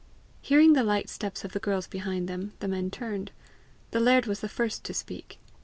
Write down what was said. Hearing the light steps of the girls behind them, the men turned. The laird was the first to speak.